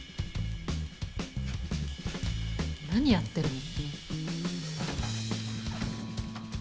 何やってるの？